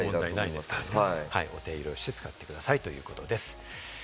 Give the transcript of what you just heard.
お手入れをして使ってくださいということです。